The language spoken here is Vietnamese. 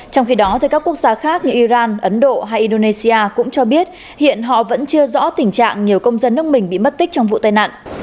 trong khi đó các quốc gia khác như iran ấn độ hay indonesia cũng cho biết hiện họ vẫn chưa rõ tình trạng nhiều công dân nước mình bị mất tích trong vụ tai nạn